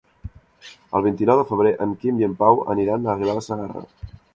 El vint-i-nou de febrer en Quim i en Pau aniran a Aguilar de Segarra.